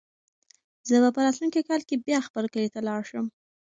زه به په راتلونکي کال کې بیا خپل کلي ته لاړ شم.